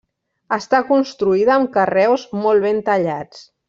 Està construïda amb carreus molt ben tallats.